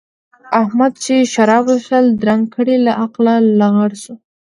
احمد چې شراب وڅښل؛ درنګ ګړۍ له عقله لغړ شو.